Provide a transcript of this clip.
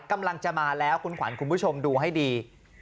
กำลังจะมาแล้วคุณขวัญคุณผู้ชมดูให้ดี